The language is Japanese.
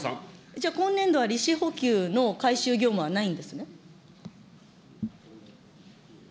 じゃあ、今年度は利子補給の回収業務はないんですね。